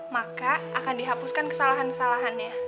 maka akan dihapuskan kesalahan kesalahannya